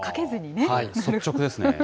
率直ですね。